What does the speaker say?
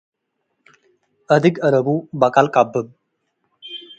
አድግ አለቡ በቀል ቀብብ።